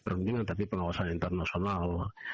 mungkin tapi pengawasan internasional